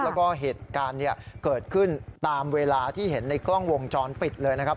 แล้วก็เหตุการณ์เกิดขึ้นตามเวลาที่เห็นในกล้องวงจรปิดเลยนะครับ